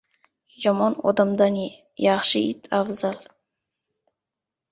• Yomon odamdan yaxshi it afzal.